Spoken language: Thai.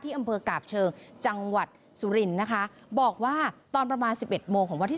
อำเภอกาบเชิงจังหวัดสุรินทร์นะคะบอกว่าตอนประมาณสิบเอ็ดโมงของวันที่